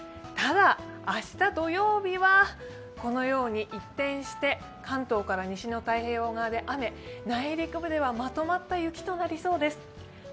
ただ、明日土曜日は、このように一転して関東から西の太平洋側で雨、内陸部ではまとまった雪となりそうです。